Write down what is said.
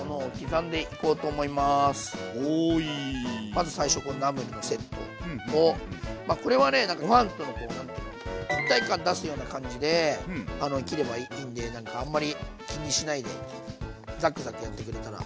まず最初このナムルのセットをまあこれはねご飯とのこう何て言うの一体感出すような感じで切ればいいんでなんかあんまり気にしないでザクザクやってくれたら。